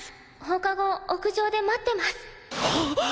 「放課後屋上で待ってます！」